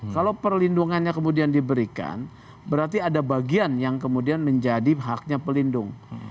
kalau perlindungannya kemudian diberikan berarti ada bagian yang kemudian menjadi haknya pelindung